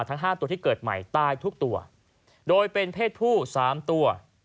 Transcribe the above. ทั้ง๕ตัวที่เกิดใหม่ตายทุกตัวโดยเป็นเพศผู้๓ตัว